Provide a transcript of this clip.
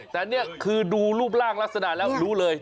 แต่นี่คือดูรูปร่างลักษณะแล้วรู้เลย